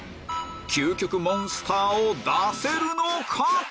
究極モンスターを出せるのか？